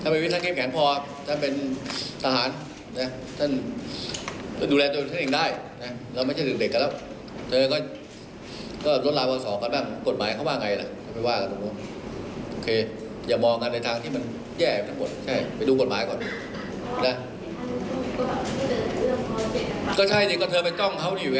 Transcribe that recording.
ไปดูกฎหมายก่อน